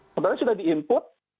sebenarnya sudah di input